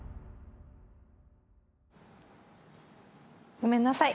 ごめんなさい。